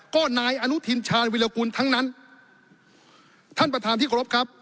ก็นายอนุทินชาญวิรากูลทั้งนั้นท่านประธานที่เคารพครับ